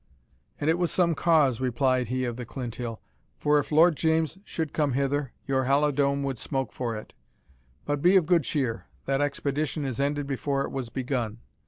"And it was some cause," replied he of the Clinthill, "for if Lord James should come hither, your Halidome would smoke for it. But be of good cheer that expedition is ended before it was begun.